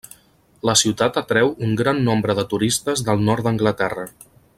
La ciutat atreu un gran nombre de turistes del nord d'Anglaterra.